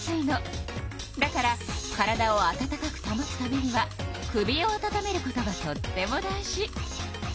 だから体を温かくたもつためには首を温めることがとっても大事。